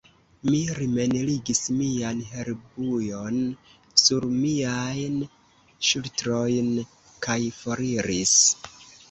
Mi rimenligis mian herbujon sur miajn ŝultrojn kaj foriris.